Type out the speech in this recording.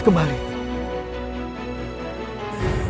terima kasih kanjang sunan